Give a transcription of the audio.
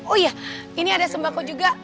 oh iya ini ada sembako juga